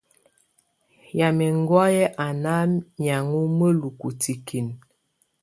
Ymɛ̀á ɛŋgɔ̀áyɛ á ná lɛ̀áŋɔ mǝ́lukǝ́ tikinǝ.